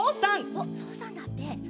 おっぞうさんだって。